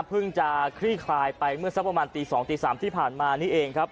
เพิ่งจะคลี่คลายไปเมื่อสักประมาณตี๒ตี๓ที่ผ่านมานี่เองครับ